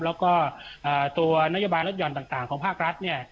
แล้วก็ตัวนโยบายรถห่อนต่างของภาครัฐเนี่ย